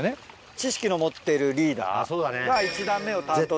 知識持ってるリーダーが１段目を担当する。